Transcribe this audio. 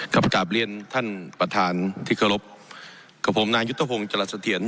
กลับกราบเรียนท่านประธานที่เคารพกับผมนายุทธพงศ์จรัสเถียร